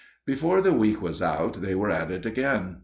Before the week was out they were at it again.